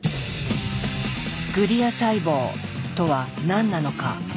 「グリア細胞」とは何なのか？